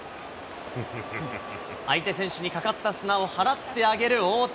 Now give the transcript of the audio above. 相手選手にかかった砂を払ってあげる大谷。